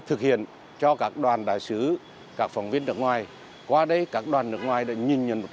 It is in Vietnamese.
thực hiện cho các đoàn đại sứ các phóng viên nước ngoài qua đây các đoàn nước ngoài đã nhìn nhận một